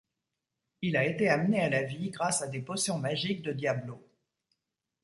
Il a été amené à la vie grâce à des potions magiques de Diablo.